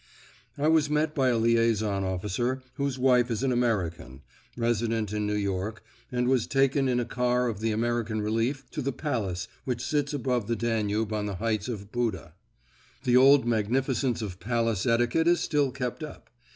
I was met by a liaison officer whose wife is an American, resident in New York, and was taken in a car of the American Relief to the palace which sits above the Danube on the heights of Buda. The old magnificence of palace etiquette is still kept up.